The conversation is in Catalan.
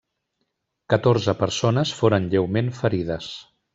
Catorze persones foren lleument ferides.